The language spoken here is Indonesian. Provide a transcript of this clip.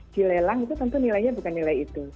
dilelang itu tentu nilainya bukan nilai itu